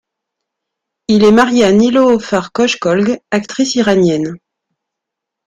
Il est marié à Niloofar Khoshkholgh, actrice iranienne.